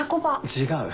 違う。